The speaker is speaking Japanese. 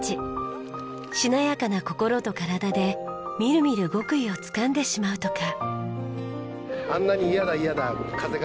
しなやかな心と体でみるみる極意をつかんでしまうとか。